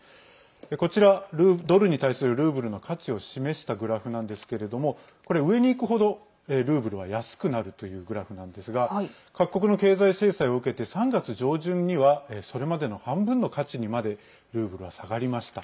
こちら、ドルに対するルーブルの価値を示したグラフなんですけれども上にいくほど、ルーブルは安くなるというグラフなんですが各国の経済制裁を受けて３月上旬にはそれまでの半分の価値にまでルーブルは下がりました。